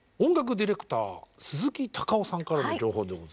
ディレクター鈴木孝夫さんからの情報でございます。